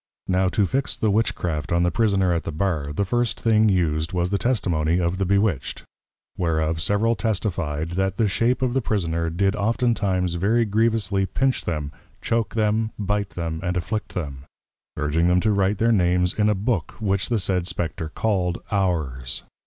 Now to fix the Witchcraft on the Prisoner at the Bar, the first thing used, was the Testimony of the Bewitched; whereof several testifi'd, That the Shape of the Prisoner did oftentimes very grievously Pinch them, Choak them, Bite them, and Afflict them; urging them to write their Names in a Book, which the said Spectre called, Ours.